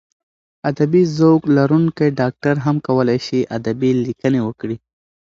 ادبي ذوق لرونکی ډاکټر هم کولای شي ادبي لیکنې وکړي.